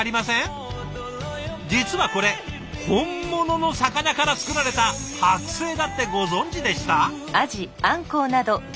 実はこれ本物の魚から作られた剥製だってご存じでした？